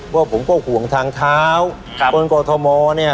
ว่าผมก็ห่วงทางเท้าครับบนกอทมเนี่ย